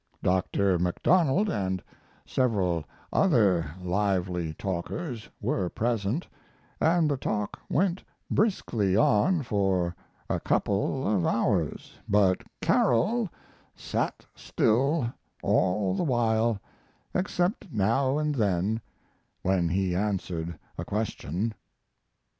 "Dr. MacDonald and several other lively talkers were present, and the talk went briskly on for a couple of hours, but Carroll sat still all the while, except now and then when he answered a question."